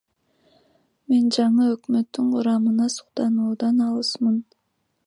Мен жаңы өкмөттүн курамына суктануудан алысмын.